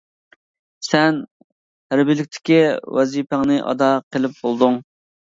سەن ھەربىيلىكتىكى ۋەزىپەڭنى ئادا قىلىپ بولدۇڭ.